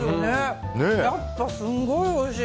やっぱすんごいおいしい。